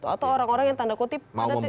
atau orang orang yang tanda kutip